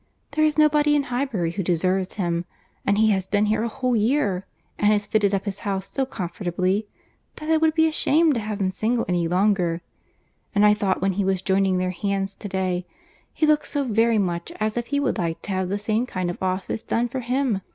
There is nobody in Highbury who deserves him—and he has been here a whole year, and has fitted up his house so comfortably, that it would be a shame to have him single any longer—and I thought when he was joining their hands to day, he looked so very much as if he would like to have the same kind office done for him!